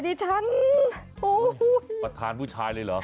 ดิฉันประธานผู้ชายเลยเหรอ